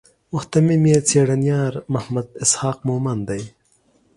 مهتمم یې څېړنیار محمد اسحاق مومند دی.